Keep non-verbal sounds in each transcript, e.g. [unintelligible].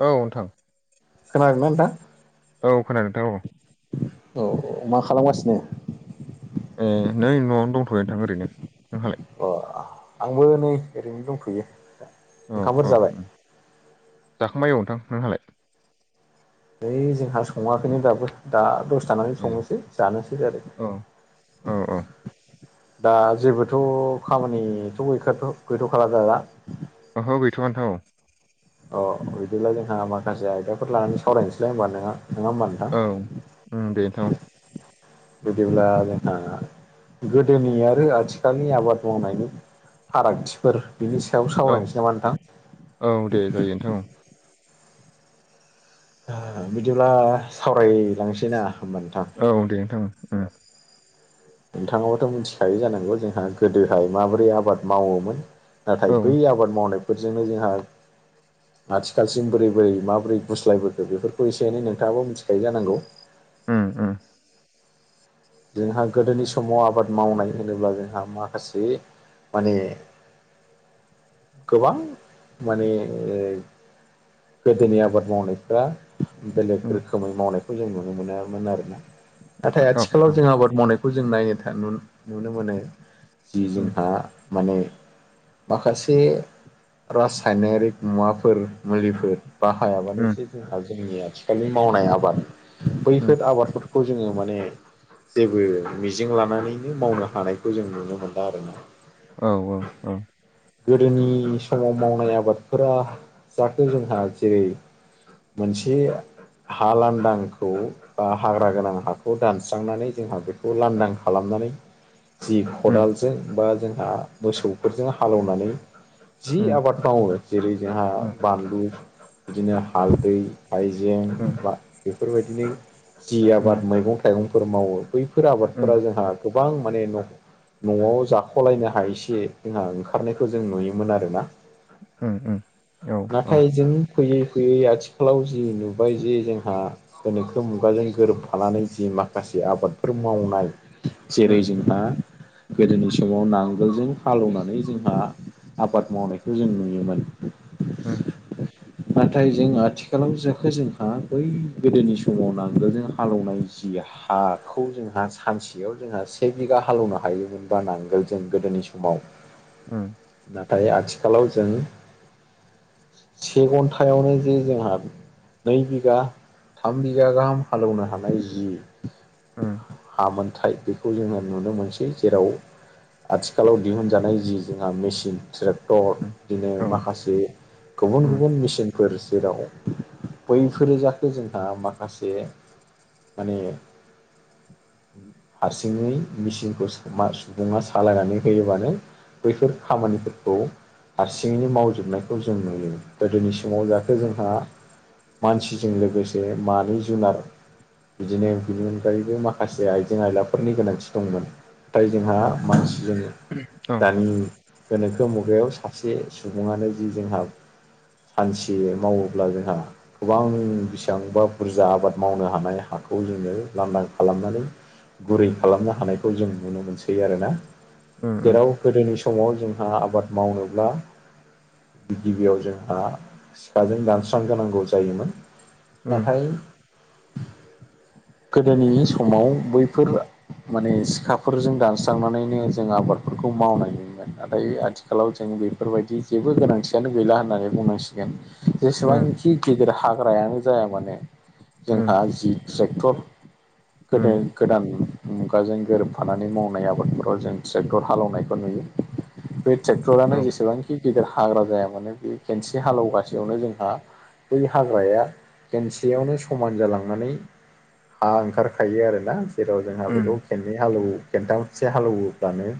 औ नों खोनादोना नोंथां? औ खोनादों नोंथां औ। औ औ मा खालामगासिनो? ए नै न'आवनो दंथ'य नोंथां ओरैनो नोंहालाय ना आ आंबो नै ओरैनो दंफैयो अ अ जाखांबाय ओ नोंथां नोंहालाय? ओ नै जोंहा सङाखैनो दाबो। दा दसे थानानै ए संनोसै जानोसै आरो औ औ औ दा जेबोथ' खामानिथ' गैखाथ' गैथ'खाला दा ओहो गैथ'आ नोंथां अ बिदिब्ला जोंहा माखासे आयदाफोर लानानै सावरायनोसैलाय होनबा नङा नङा होमबा नो औ उम दे। उम बिदिब्ला आरो गोदोनि आरो आथिखालनि आबाद मावनायनि फारागथिफोर बिनि सायाव औ सावरायनोसै नामा नोंथां? औ दे नोथां। बिदिब्ला ओ सावरायलांसै ना होमबा नोंथां। औ दे नोंथां उम। नोंथाङाबथ' मिथिखायो जानांगौ जोंहा गोदोहाय माबोरै आबाद मावोमोन? नाथाय औ बै उम आबाद मावनायफोरजोंनो जोंहा आथिखालसिम बोरै बोरै माबोरै गुस्लायबोखो बेफोरखौ एसे एनै नोंथाङाबो मिथिखायो जानांगौ। ओम। जोंहा गोदोनि समाव आबाद मावनाय होनोब्ला जोंहा माखासे माने गोबां माने ओ गोदोनि आबाद मावनायफ्रा बेलेग उम रोखोमै मावनायखौ जों नुनो मोनामोन आरोना नाथाय औ आथिखालाव औ जोंहा आबाद मावनायखौ जों नायनो था नुनो मोनो जि उम जोंहा माने माखासे रासायनायरिक मुवाफोर मुलिफोर बाहायाबानो उम जे जोंहा जोंनि आथिखालनि मावनाय आबाद उम बैफोर आबादफोर खौ जोङो माने जेबो मिजिं लानानैनो मावनो हानायखौ जों नुनो मोनला आरोना। औ औ औ। गोदोनि समाव मावनाय आबादफोरा जाखो जोंहा जेरै मोनसे हा लान्दांखौ बा हाग्रा गोनां हाखौ दान स्रांनानै जोंहा बेखौ लांदां खालामनानै जि उम खदालजों बा जोंहा मोसौफोरजों हालेवनानै जि उम उम आबाद मावो जेरै जोंहा बानलु बिदिनो हालदै हाइजें उम बा बेफोर बायदिनो जि उम आबाद मैगं थाइगंफोर मावो बैफोर उम आबादफोरा जोंहा गोबां माने नख न'आव जाख'लायनो हायिसे जोंहा ओंखारनायखौ जों नुयोमोन आरोना। उम उम औ औ नाथाय जों फैयै फैयै आथिखालाव जि नुबाय जे जोंहा गोनोखो मुगाजों गोरोबफानानै जि माखासे आबादफोर मावनाय जेरै उम जोंहा गोदोनि समाव नांगोलजों हालौनानै जोंहा आबाद मावनायखौ जों नुयोमोन। उम उम नाथाय जों आथिखालाव जोखो जोंहा बै गोदोनि समाव नांगोलजों हालौनाय जि हा हाखौ जोंहा सानसेयाव जोंहा से बिगा हालौनो हायोमोनबा नांगोल जों गोदोनि समाव [inaudible] उम। नाथाय आथिखालाव जों से घन्टायावनो जे जोंहा नै बिगा थाम बिगा गाहाम हालौनो हानाय जि उम। हा मोनथाय बेखौ जोङो नुनो मोनसै जेराव आथिखालाव दिहुनजानाय जि जोंहा मेचिन ट्रेक्टर उम औ उम औ बिदिनो माखासे गुबुन गुबुन मेचिनफोर जेराव बैफोरो जाथे जोंहा माखासे माने हारसिङै मिचिनखौ मा सुबुङा सालायनानै होयोबानो बैफोर खामानिफोरखौ हारसिङैनो मावजोबनायखौ जों नुयो गोदोनि समाव जाहाथे जोंहा मानसिजों लोगोसे मानै जुनार बिदिनो बिनि अनगायैबो माखासे आइजें-आइलाफोरनि गोनांथि दंमोन। फ्राय जोंहा मानसिजों औ उम दानि गोनोखो मुगायाव सासे सुबुङानो जि जोंहा सानसे मावोब्ला जोंहा गोबां बेसेबांबा बुरजा आबाद मावनो हानाय हाखौ खौ जोङो लान्दां खालामनानै गुरै खालामनो हानायखौ जों नुनो मोनसै आरोना। उम जेराव गोदोनि समाव जोंहा आबाद मावनोब्ला गिबि-गिबियाव जोंहा सिखाजों दानस्रां गोनांगौ जायोमोन उम नाथाय गोदोनि समाव बैफोर माने सिखाफोरजों दानस्रांनानैनो जों आबादफोरखौ मावनायनि नाथाय आथिखालाव जों बेफोर बायदि जेबो गोनांथियानो गैला होननानै बुंनांसिगोन। उम जेसेबांखि गेदेर हाग्रायानो जाया मानोे उम जोंहा जि ट्रेक्टर उम गोदान गोदान मुगाजों गोरोबफानानै मावनाय आबादफोराव जों ट्रेक्टर हालेवनायखौ नुयो। बे औ ट्रेक्टरानो जेसेबांखि गिदिर हाग्रा जाया मानो बे खेनसे हालेवगासेयावनो जोंहा बै हाग्राया खेनसेयावनो समान जालांनानै हा ओंखारखायो आरोना जेराव जोंहा उम बेखौ खेननै हालेव खेनथामसे हालौवोब्लानो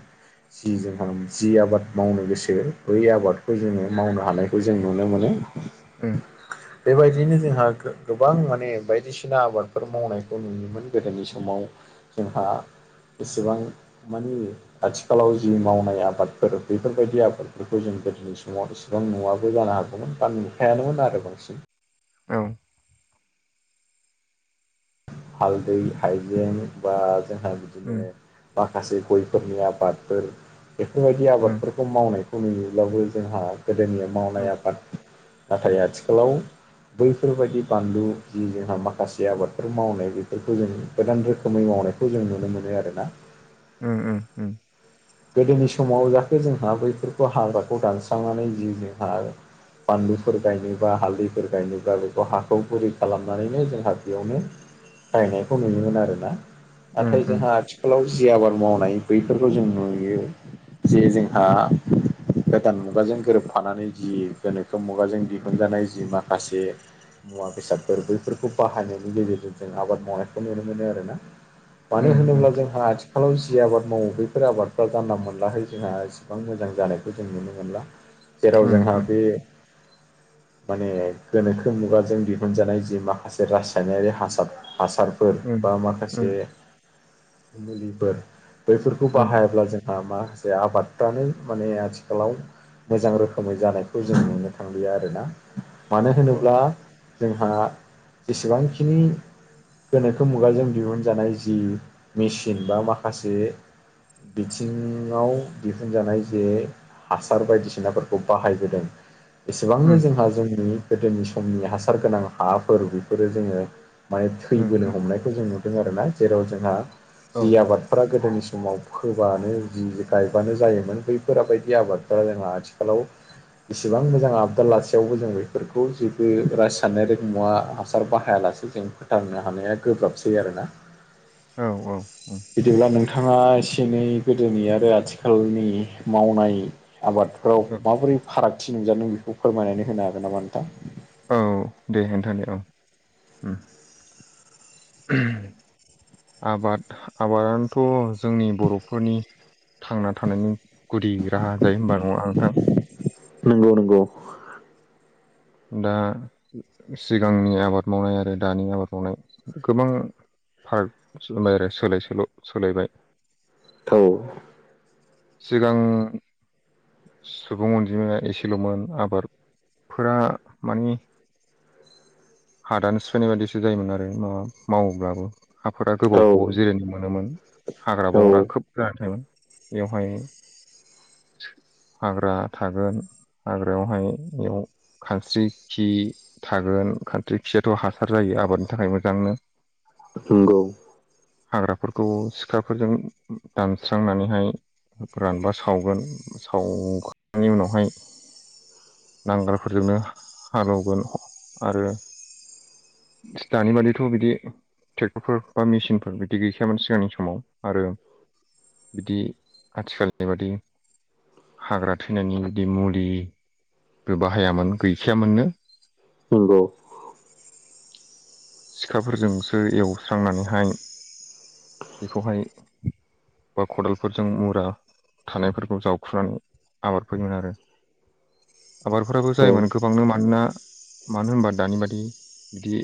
जि जोंहा जि आबाद मावनो गोसो बै आबादखौ जोङो मावनो हानायखौ जों नुनो मोनो। उम बेबायदियैनो जोंहा गोबां माने बायदिसिना आबाद फोर मावनायखौ नुयोमोन गोदोनि समाव जोंहा एसेबां मानि आथिखालाव जि मावनाय आबादफोर बेफोरबायदि आबादफोरखौ जों गोदोनि समाव एसेबां नुवाबो जानो हागौमोन बान नुखायानोमोन आरो बांसिन। ओं हालदै हाइजें बा जोंहा बिदिनो उम माखासे गयफोरनि आबादफोर बेफोरबायदि उम आबादफोर खौ मावनायखौ नुयोब्लाबो जोंहा गोदोनि मावनाय आबाद नाथाय आथिखालाव बैफोरबायदि बानलु जि जोंहा माखासे आबादफोर मावनाय बेफोरखौ जों गोदान रोखोमै मावनायखौ जों नुनो मोनो आरोना। उम उम उम गोदोनि समाव जाहाथे जोंहा बैफोरखौ हाग्राखौ दानस्रांनानै जि जोंहा बानलुफोर गायनोबा हालदैफोर गायनोबा बेखौ हाखौ बुरै खालामनानैनो जोंहा बेयावनो बाहायनायखौ नुयोमोन आर ना उम नाथाय उम जोंहा आथिखालाव जि आबाद मावनाय बैफोरखौ जों नु यो जे जोंहा गोदान मुगाजों गोरोबफानानै जि गोनोखो मुगाजों दिहुनजानाय जि माखासे मुवा बेसादफोर बैफोरखौ बाहायनायनि गेजेरजों जों आबाद मावनायखौ नुनो मोनो आरो ना। उम मानो होनोब्ला जोंहा आथिखालाव जि आबाद मावो बैफोर आबाद फ्रा जानला मोनलाहै जोंहा इसेबां मोजां जानायखौ जों नुनो मोनला जेराव उम जोंहा उम बे [inaudible] माने गोनोखो मुगाजों दिहुनजानाय जि माखासे रासायनारि हासार हासार फोर औ उम बा औ माखासे मुलिफोर बैफोरखौ बाहाया जोंहा माखासे आबादफ्रानो माने आथिखालाव मोजां रोखोमै जानायखौ जों नुनो थांलिया आरोना मानो होनोब्ला जोंहा जेसेबांखिनि गोनोखो मुगाजों दिहुनजानाय जि मेसिन बा माखासे बिथिङाव दिहुनजानाय जे हासार बायदिसिनाफोरखौ बाहायबोदों। एसेबांनो जोंहा जोंनि गोदोनि समनि हासार गोनां हाफोर बेफोरो जोङो माने थैबोनो हमनायखौ जों नुदों आरो ना जेराव जोंहा जि आबादफोरा गोदोनि समाव फोबानो जि गायबानो जायोमोन बैफोर बायदि आबादफोरा जोंहा आथिखालाव इसिबां मोजां आबदा लासेयावबो जों बेफोरखौ जेबो रासायनारि मुवा हासार बाहायाला जों फोथांनो हानाया गोब्राबसै आरोना औ औ उम बिदिब्ला नोंथाङा एसे एनै गोदोनि आरो आथिखालनि मावनाय आबाद फोराव माबोरै फारागथि नुजादों बेखौ फोरमायनानै होनो हागोन नामा नोंथां? औ दे खोन्था दे औ उम आबाद आबादानोथ' जोंनि बर'फोरनि थांना थानायनि गुदि राहा जायो होनबा नङा नोंथां नंगौ नंगौ दा सिगांनि आबाद मावनाय आरो दानि आबाद मावनाय गोबां पार्क रायलाय [unintelligible] सोलाय सोल' सोलायबाय थावै [unintelligible] सिगां सुबुं अनजिमाया एसेल'मोन आबादफोरा मानि हादानो सफैनाय बायदिसो जायोमोन आरो माव माब्लाबो हाफोर गोबाव औ गोबाव जिरायनो मोनोमोन हाग्रा औ बंग्रा खोब जाना थायोमोन बेवहाय [inaudible] हाग्रा थागोन हाग्रायावहाय बेयाव खानस्रि खि थागोन खान स्रि खियाथ' हासार जायो आबादनि थाखाय मोजांनो नंगौ हाग्राफोरखौ सिखाफोरजों दानस्रांनानैहाय रानबा सावगोन सावखांनायनि उनावहाय नांगालफोरजोंनो हालेवगोन आरो दानि बादिथ' बिदि ट्रेक्टरफोर बा मेसिनफोर बिदि गैखायामोन सिगांनि समाव आरो बिदि आथिखाल बादि हाग्रा थैनायनि बिदि मुलि बो बाहायामोन गैखायामोननो नंगौ सिखाफोरजोंसो एवस्रांनानैहाय बेखौहाय बा खदालफोरजों मुरा थानायफोरखौ जावखुनानै आबाद फोयोमोन आरो आबादफोराबो औ जायोमोन गोबांनो मानोना मानो होनबा दानि बादि बिदि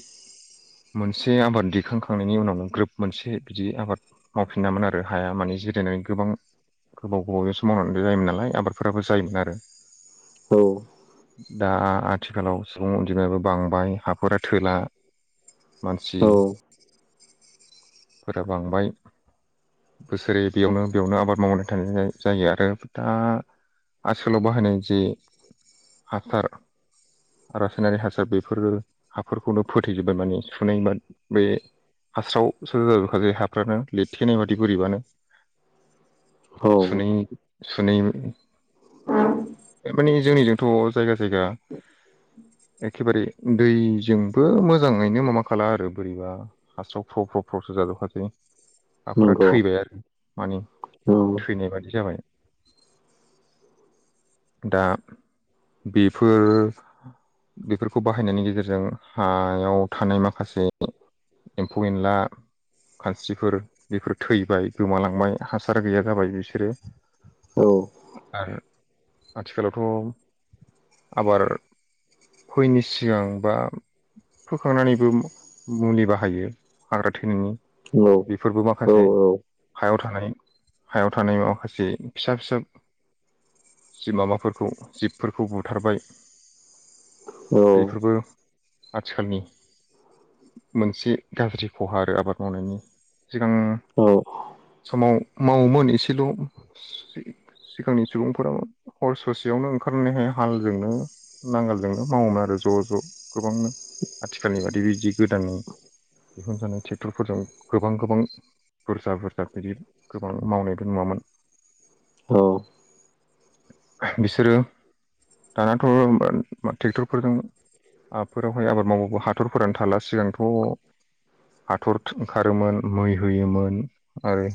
मोनसे आबाद दिखांखांनायनि उनावनो ग्रोब मोनसे बिदि आबाद मावफिनामोन आरो हाया माने जिरायनानै गोबां गोबाव गोबावजोंसो मावनानै जायोमोन नालाय आबादफोराबो जायोमोन आरो औ दा आथिखालाव सुबुं अनजिमायाबो बांबाय हाफोरा थोला मानसि औ फोरा बांबाय बोसोरै बेयावनो बेयावनो आबाद मावनानै थानाय जायो आरो दा आथिखालाव बाहायनाय जायो हासार रासायनारि हासार बेफोरो हाफोरखौनो फोथैजोबबाय माने सुनायबा बे हास्राव हाफ्रानो लोदथेनाय बादिनो बोरैबानो औ सुनै सुनै थार मानि जोंनिजोंथ जायगा जायगा एखेबारे दैजोंबो मोजाङैनो माबा खाला आरो बोरैबा हास्राव फ्राव फ्राव प्रस' जाजोबखासै हाफोरा नंगौ थैबाय आरो माने औ थैनाय बादि जाबाय [inaudible] दा बेफोर बेफोरखौ बाहायनायनि गेजेरजों हायाव थानाय माखासे एम्फौ एनला खानस्रिफोर बेफोर थैबाय गोमालांबाय हासार गैया जाबाय बिसोरो औ आरो आथिखालावथ आबाद फैयिनि सिगां बा फोखांनानैबो मुलि बाहायो हाग्रा थैनायनि बेफोरबो माखासे हायाव थानाय हायाव थानाय माखासे फिसा फिसा जिब माबाफोरखौ जिबफोरखौ बुथारबाय औ बेफोरबो आथिखालनि मोनसे गाज्रि खहा आरो आबाद मावनायनि सिगां औ समाव मावोमोन एसेल' सिगांनि सुबुंफोराबो हर ससेयावनो ओंखारनानैहाय हालजोंनो नांगोलजोंनो मावोमोन आरो ज' ज' गोबांनो आथिखालनि बादि बिदि गोदानै दिहुनजानाय ट्रेक्टरफोरजों गोबां गोबां बुरजा बुर जा बिदि गोबां मावनायबो नुआमोन। बिसोरो दानाथ' मा ट्रेक्टरफोरजों आफोरावहाय आबाद मावबो हाथरफोरानो थाला सिगांथ हाथरथ ओंखारोमोन मै होयोमोन। आरो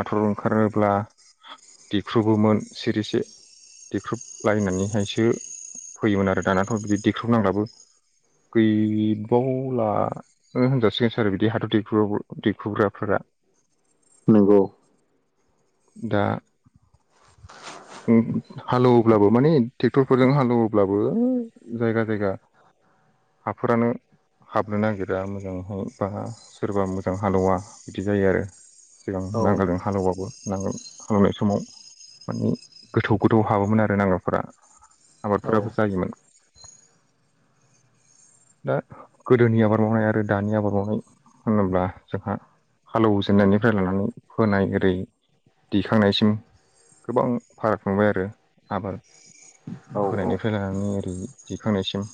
हाथर ओंखारोब्ला दैख्रुबोमोन सिरिसे। देख्रुब लायनानै हायसो फैयोमोन आरो दानाथ बिदि देख्रुबनांलाबो गैबावला ओ होनजासिगो [unintelligible] बिदि हाथर देख्रु देख्रुबग्राफोरा। नोंगौ। दा उम हालौवोब्लाबो माने ट्रेक्टरफोरजों हालौवोब्लाबो जायगा जायगा हाफोरानो हाबनो नागिरा मोजां हो बाहा सोरबा मोजां हालोवा बिदि जायो आरो। सिगां नांगालजों हालौबाबो नांगोल हालौवनाय समाव मानि गोथौ गोथौ हाबोमोन आरो नांगोलफोरा आबादफोराबो जायोमोन। [inaudible] दा गोदोनि आबाद मावनाय आरो दानि आबाद मावनाय होनोब्ला जोंहा हालौजेननायनिफ्राय लानानै फोनाय ओरै दैखांनायसिम गोबां फाराग नुबाय आरो आबार फोनायनिफ्राय लानानै ओरै दिखांनायसिम।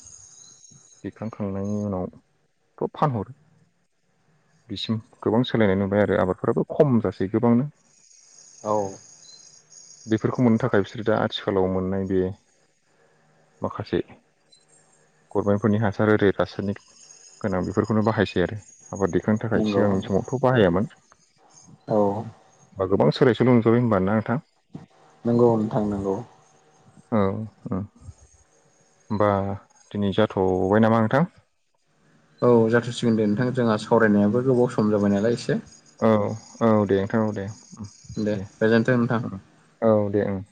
दिखां खांनायनि उनाव थ' फानहर बिसिम गोबां सोलायनाय नुबाय आरो आबादफोराबो खम जासै गोबांनो। औ बेफोरखौ मोननो थाखाय बिसोरो दा आथिखालाव मोननाय बे माखासे गभर्नमेन्टफोरनि हासार ओरै रासायनिक गोनां बेफोरखौनो बाहायसै आरो। आबाद दैखांनो थाखाय नंगौ सिगांनि समावथ' बाहायामोन। औ बा गोबां सोलाय सोल' नुजाबाय होमबख ना नोंथां? नोंगौ नोंथां नोंगौ। औ ओ। होमबा दिनै जाथ'बाय नामा नोंथां? औ जाथारसिगोन दे नोंथां जोंहा सावरायनायाबो गोबाव सम जाबाय नालाय एसे। औ औ दे नोंथां औ दे उम दे गोजोन्थों नोंथां उम औ दे ओं।